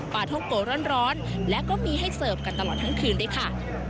ทกโกร้อนและก็มีให้เสิร์ฟกันตลอดทั้งคืนด้วยค่ะ